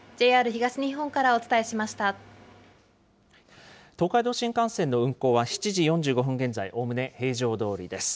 東海道新幹線の運行は、７時４５分現在、おおむね平常どおりです。